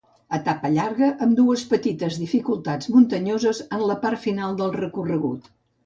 Etapa llarga, amb dues petites dificultats muntanyoses en la part final del recorregut.